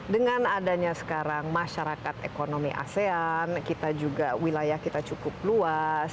dengan adanya sekarang masyarakat ekonomi asean kita juga wilayah kita cukup luas